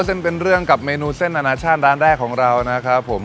เส้นเป็นเรื่องกับเมนูเส้นอนาชาติร้านแรกของเรานะครับผม